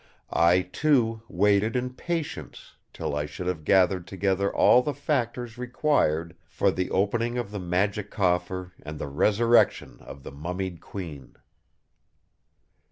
I, too, waited in patience till I should have gathered together all the factors required for the opening of the Magic Coffer and the resurrection of the mummied Queen!"